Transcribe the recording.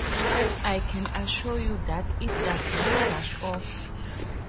I can assure you that it does not brush off.